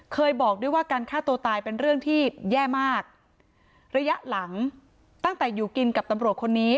เคยบอกด้วยว่าการฆ่าตัวตายเป็นเรื่องที่แย่มากระยะหลังตั้งแต่อยู่กินกับตำรวจคนนี้